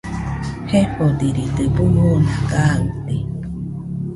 Jefodiride, buu oona gaɨte